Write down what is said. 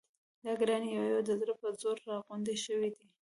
دا ګړنی یوه یوه د زړه په زور را غونډې شوې دي.